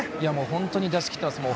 本当に出し切ってます。